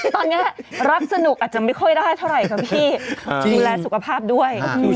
ตอนนี้รับสนุกอาจจะไม่ค่อยได้เท่าไหร่ค่ะพี่ดูแลสุขภาพด้วย